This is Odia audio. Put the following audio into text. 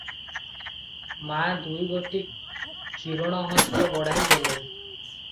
ମା’ ଦୁଇ ଗୋଟି କିରଣ ହସ୍ତ ବଢ଼ାଇ ଦେଲେ।